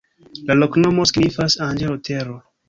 La loknomo signifas: anĝelo-tero.